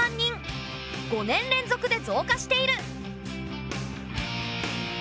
５年連続で増加している。